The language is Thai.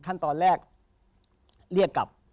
คันตอนแรกเรียกกัน